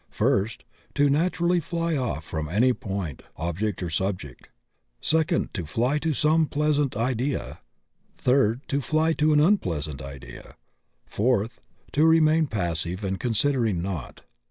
First, to naturally fly off from any point, object, or subject; second, to fly to some pleasant idea; third, to fly to an unpleasant idea; fourth, to remaiii passive and considering naught.